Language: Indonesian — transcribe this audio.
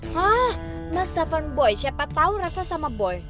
hah mas tepan boy siapa tau reva sama boy